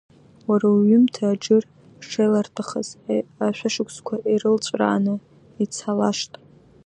Уара уҩымҭа Аџыр шеиларҭәахаз ашәышықәсқәа ирылҵәрааны ицалашт.